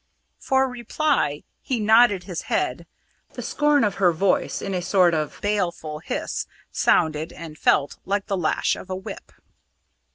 For reply he nodded his head. The scorn of her voice, in a sort of baleful hiss, sounded and felt like the lash of a whip.